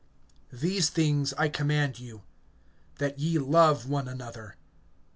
(17)These things I command you, that ye love one another.